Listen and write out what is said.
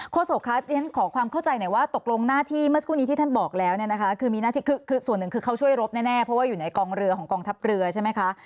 โศกคะเรียนขอความเข้าใจหน่อยว่าตกลงหน้าที่เมื่อสักครู่นี้ที่ท่านบอกแล้วเนี่ยนะคะคือมีหน้าที่คือส่วนหนึ่งคือเขาช่วยรบแน่เพราะว่าอยู่ในกองเรือของกองทัพเรือใช่ไหมคะ